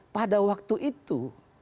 pada waktu itu